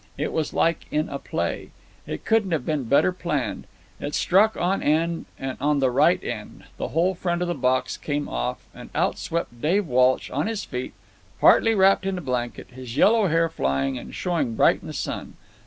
It was like in a play. It couldn't have been better planned. It struck on end, and on the right end; the whole front of the box came off; and out swept Dave Walsh on his feet, partly wrapped in a blanket, his yellow hair flying and showing bright in the sun.